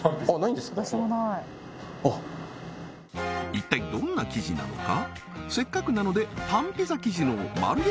一体どんな生地なのか？